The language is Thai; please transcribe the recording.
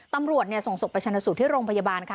ตำรวจส่งศพไปชนะสูตรที่โรงพยาบาลค่ะ